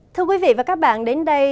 thưa quý vị và các bạn đến đây